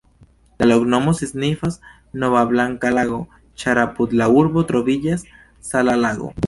La loknomo signifas: nova-blanka-lago, ĉar apud la urbo troviĝas sala lago.